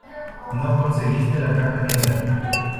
no conseguiste la caja negra.